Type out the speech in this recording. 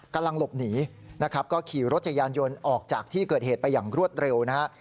กำลังหลบหนีนะครับก็ขี่รถจักรยานยนต์ออกจากที่เกิดเหตุไปอย่างรวดเร็วนะฮะ